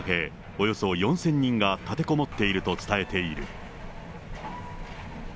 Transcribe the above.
およそ４０００人が立てこもっていると伝えている。